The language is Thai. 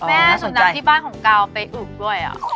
แม่สำนักที่บ้านของกาวไปอึกด้วยอะ